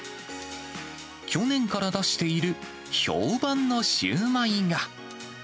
去年から出している評判のシューマイが。